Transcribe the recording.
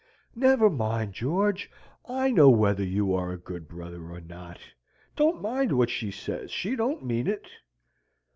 "Never mind, George. I know whether you are a good brother or not. Don't mind what she says. She don't mean it."